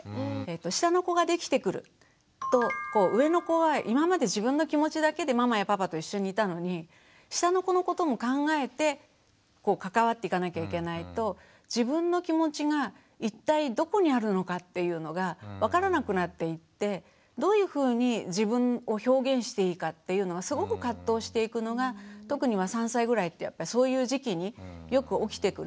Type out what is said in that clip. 下の子ができてくると上の子は今まで自分の気持ちだけでママやパパと一緒にいたのに下の子のことも考えて関わっていかなきゃいけないと自分の気持ちが一体どこにあるのかっていうのが分からなくなっていってどういうふうに自分を表現していいかっていうのがすごく葛藤していくのが特には３歳ぐらいってやっぱりそういう時期によく起きてくる。